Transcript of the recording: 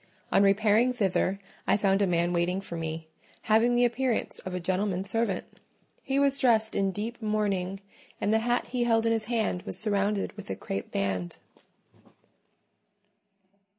On repairing thither, I found a man waiting for me, having the appearance of a gentleman's servant: he was dressed in deep mourning, and the hat he held in his hand was surrounded with a crape band.